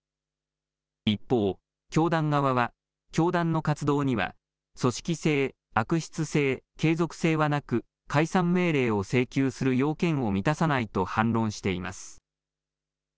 一方、教団側は教団の活動には組織性、悪質性継続性はなく解散命令を請求する要件を満たさないと反論しています。